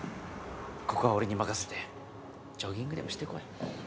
ここは俺に任せてジョギングでもしてこい。